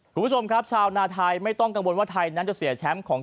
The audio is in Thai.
คุณผู้ชมครับชาวนาไทยไม่ต้องกังวลว่าไทยนั้นจะเสียแชมป์ของ